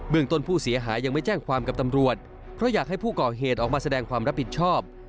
ต้นผู้เสียหายยังไม่แจ้งความกับตำรวจเพราะอยากให้ผู้ก่อเหตุออกมาแสดงความรับผิดชอบ